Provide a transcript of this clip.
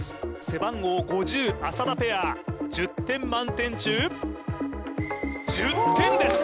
背番号５０浅田ペア１０点満点中１０点です